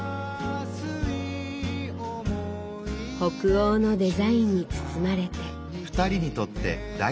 北欧のデザインに包まれて。